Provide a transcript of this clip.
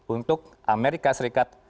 untuk amerika serikat